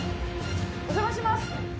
お邪魔します。